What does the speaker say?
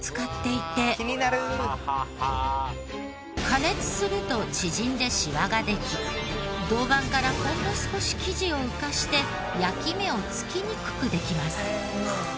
加熱すると縮んでシワができ銅板からほんの少し生地を浮かして焼き目を付きにくくできます。